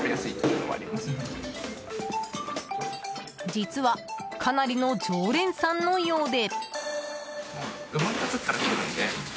実はかなりの常連さんのようで。